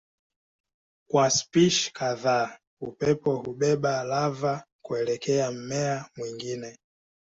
Kwa spishi kadhaa upepo hubeba lava kuelekea mmea mwingine.